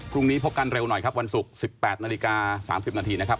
พรุ่งนี้พบกันเร็วหน่อยครับวันศุกร์๑๘นาฬิกา๓๐นาทีนะครับ